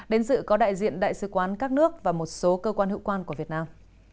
đến dự có đại diện đại sứ quán các nước và một số cơ quan hữu quan của việt nam